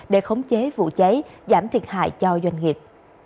để khống chế vụ cháy giảm thiệt hại cho doanh nghiệp